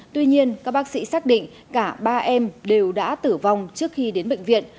tuy nhiên các bác sĩ xác định cả ba em đều đã tử vong trước khi đến bệnh viện